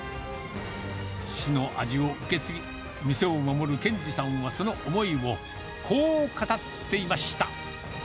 父の味を受け継ぎ、店を守る健志さんは、その思いを、こう語っていました。